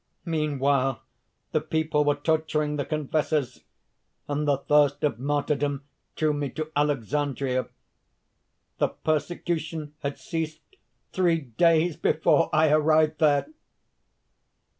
"Meanwhile the people were torturing the confessors; and the thirst of martyrdom drew me to Alexandria. The persecution had ceased three days before I arrived there!